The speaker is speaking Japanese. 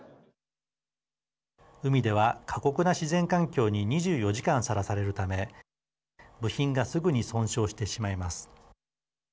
海では過酷な自然環境に２４時間さらされるため部品がすぐに損傷してしまいます。